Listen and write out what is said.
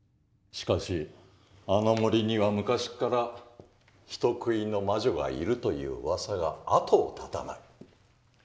しかしあの森には昔から人食いの魔女がいるといううわさが後を絶たない。